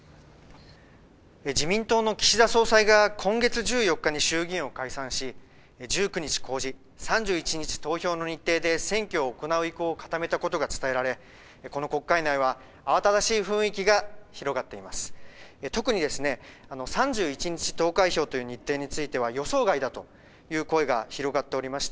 自民党の岸田総裁が今月１４日に衆議院を解散し、１９日公示、３１日投票の日程で選挙を行う意向を固めたことが伝えられこの国会内は慌ただしい雰囲気が広がっています。